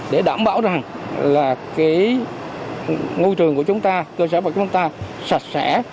để đảm bảo rằng là cái môi trường của chúng ta cơ sở của chúng ta sạch sẽ